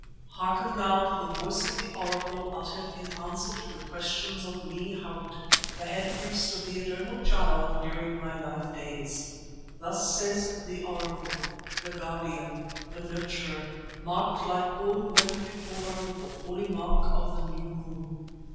Hearken now to the voice of the Oracle uttered in answer to the questions of me, Harût, the head priest of the Eternal Child during my life days. Thus says the Oracle, the Guardian, the Nurturer, marked like all who went before her with the holy mark of the new moon.